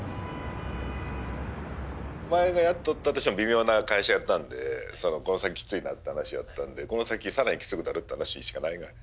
お前がやっとったとしても微妙な会社やったんでこの先きついなって話やったんでこの先更にきつくなるって話しかないが。